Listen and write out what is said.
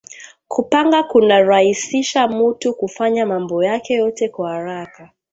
Kupanga kuna raisisha mutu kufanya mambo yake yote kwa araka